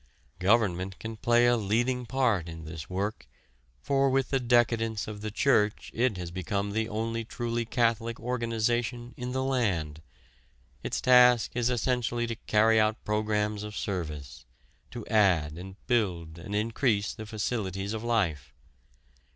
Government can play a leading part in this work, for with the decadence of the church it has become the only truly catholic organization in the land. Its task is essentially to carry out programs of service, to add and build and increase the facilities of life.